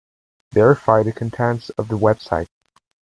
Verify the contents of the website.